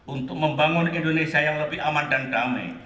untuk membangun indonesia yang lebih aman dan damai